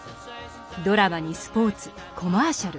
ドラマにスポーツコマーシャル。